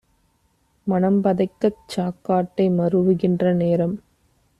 மனம்பதைக்கச் சாக்காட்டை மருவுகின்ற நேரம்